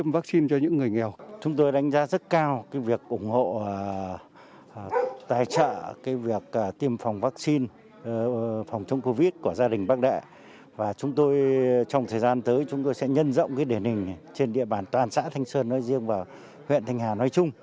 và chúng tôi trong thời gian tới chúng tôi sẽ nhân rộng cái đề nình trên địa bàn toàn xã thanh sơn nói riêng và huyện thanh hà nói chung